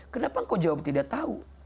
kenapa engkau jawab tidak tahu